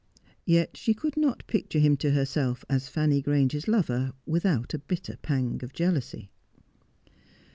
Yet she could not picture him to herself as Fanny Grange's lover without a bitter pang of jealousy.